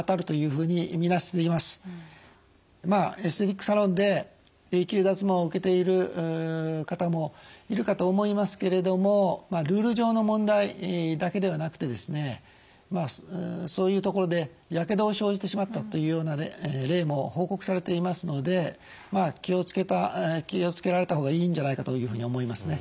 まあエステティックサロンで永久脱毛を受けている方もいるかと思いますけれどもルール上の問題だけではなくてそういうところでやけどを生じてしまったというような例も報告されていますので気を付けられた方がいいんじゃないかというふうに思いますね。